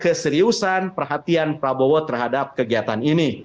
keseriusan perhatian prabowo terhadap kegiatan ini